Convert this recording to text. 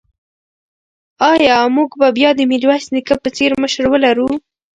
ایا موږ به بیا د میرویس نیکه په څېر مشر ولرو؟